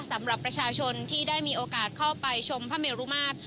สำหรับประชาชนที่ได้มีโอกาสเข้าไปชมพระเมรุมาตร